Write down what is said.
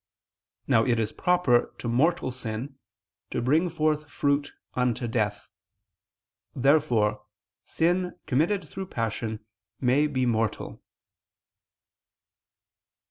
Now it is proper to mortal sin to bring forth fruit unto death. Therefore sin committed through passion may be mortal.